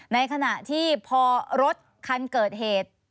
ในขณะที่พอรถคันเกิดเหตุ